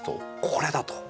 これだ！と。